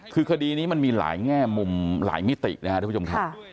คือคดีนี้มันมีหลายแง่มุมหลายมิตินะครับทุกผู้ชมครับ